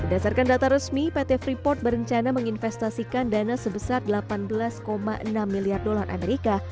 berdasarkan data resmi pt freeport berencana menginvestasikan dana sebesar delapan belas enam miliar dolar amerika